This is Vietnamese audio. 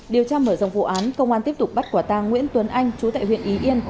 điều tra mở rộng vụ án công an tiếp tục bắt quả tang nguyễn tuấn anh chú tại huyện y yên